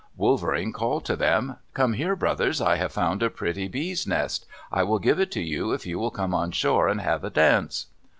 Wolverene called to them, "Come here, brothers, I have found a pretty bees' nest! I will give it to you if you will come on shore and have a dance!"